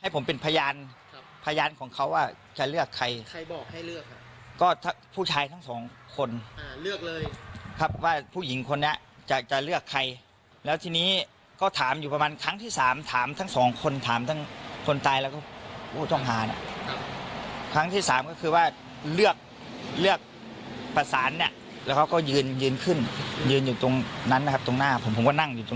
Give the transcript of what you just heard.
ให้ผมเป็นพยานครับพยานของเขาว่าจะเลือกใครใครบอกให้เลือกครับก็ผู้ชายทั้งสองคนเลือกเลยครับว่าผู้หญิงคนนี้จะจะเลือกใครแล้วทีนี้ก็ถามอยู่ประมาณครั้งที่สามถามทั้งสองคนถามทั้งคนตายแล้วก็ผู้ต้องหาเนี่ยครั้งที่สามก็คือว่าเลือกเลือกประสานเนี่ยแล้วเขาก็ยืนยืนขึ้นยืนอยู่ตรงนั้นนะครับตรงหน้าผมผมก็นั่งอยู่ตรง